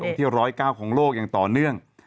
ที่๑๐๙ของโลกอย่างต่อเนื่อง